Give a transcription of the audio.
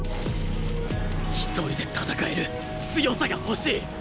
一人で戦える強さが欲しい！